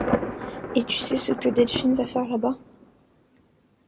Et tu sais ce que le Delphin va faire là-bas?